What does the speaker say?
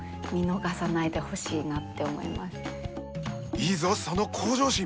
いいぞその向上心！